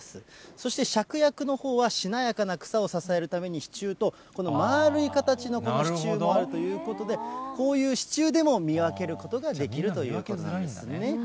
そしてしゃくやくのほうはしなやかな草を支えるために支柱と、この丸い形のこの支柱があるということで、こういう支柱でも見分けることができるということなんですね。